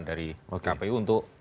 dari kpu untuk